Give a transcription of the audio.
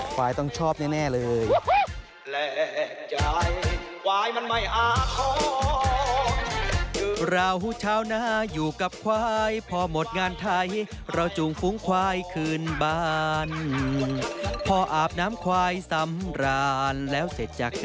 ควายต้องชอบแน่เลย